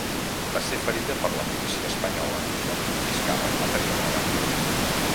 Va ser ferida per la policia espanyola quan confiscaven material electoral.